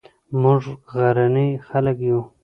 موږ غرني خلک یو